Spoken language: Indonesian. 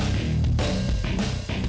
oh indah banget